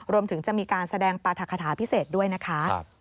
รวมถึงจะมีการแสดงปรัฐคาถาพิเศษด้วยนะคะ